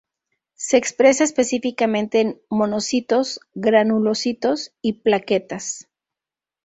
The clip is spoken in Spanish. Se expresa específicamente en monocitos, granulocitos y plaquetas.